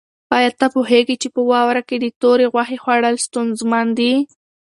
آیا ته پوهېږې چې په واوره کې د تورې غوښې خوړل ستونزمن دي؟